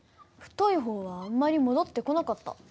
太い方はあんまり戻ってこなかった。